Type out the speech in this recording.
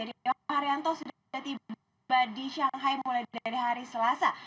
rio haryanto sudah tiba tiba di shanghai mulai dari hari selasa